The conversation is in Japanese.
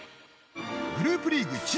グループリーグ